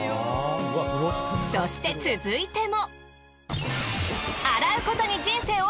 そして続いても。